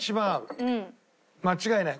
間違いない。